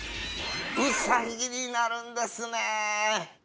うさぎになるんですね。